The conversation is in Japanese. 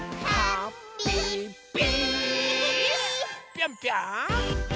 ぴょんぴょん！